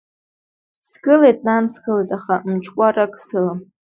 Сгылеит, нан, сгылеит, аха мчкәарак сылам.